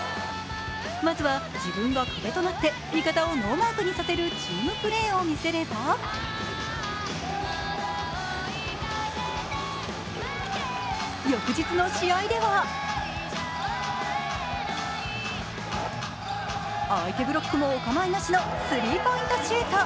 まずは自分が壁となって味方をノーマークにさせるチームプレーを見せれば、翌日の試合では相手ブロックもお構いなしのスリーポイントシュート。